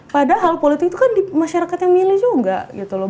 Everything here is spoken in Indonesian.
padahal politik itu kan masyarakat yang milih juga gitu loh